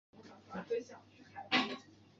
小景天为景天科景天属的植物。